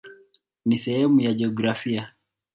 Ni sehemu ya jiografia.